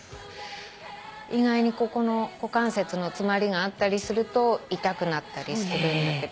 意外にここの股関節の詰まりがあったりすると痛くなったりするんだけどそういう場合にはちょっと。